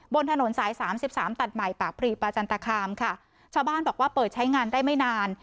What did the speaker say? บนถนนสายสามสิบสามตัดใหม่ปากพรีประจันตคามค่ะชาวบ้านบอกว่าเปิดใช้งานได้ไม่นาน